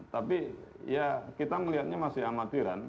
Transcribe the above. tapi ya kita melihatnya masih amatiran